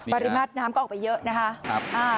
ริมาตรน้ำก็ออกไปเยอะนะคะ